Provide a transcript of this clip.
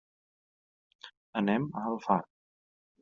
Anem a Alfarb.